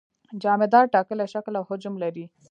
جامدات ټاکلی شکل او حجم لري.